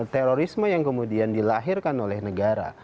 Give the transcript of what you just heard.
terorisme yang kemudian dilahirkan oleh negara